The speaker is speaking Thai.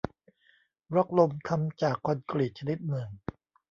บล็อกลมทำจากคอนกรีตชนิดหนึ่ง